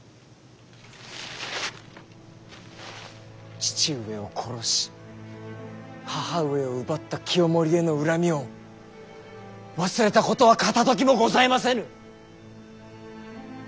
父上を殺し母上を奪った清盛への恨みを忘れたことは片ときもございませぬ。